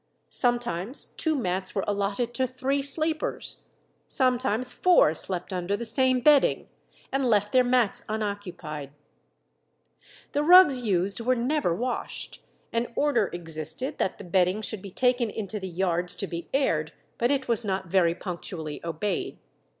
Sometimes two mats were allotted to three sleepers. Sometimes four slept under the same bedding, and left their mats unoccupied. The rugs used were never washed; an order existed that the bedding should be taken into the yards to be aired, but it was not very punctually obeyed.